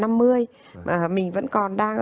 mà mình vẫn còn đang